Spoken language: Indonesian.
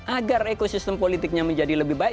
agar ekosistem politiknya menjadi lebih baik